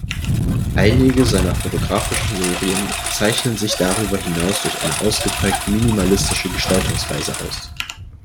Einige seiner fotografischen Serien zeichnen sich darüber hinaus durch eine ausgeprägt minimalistische Gestaltungsweise aus.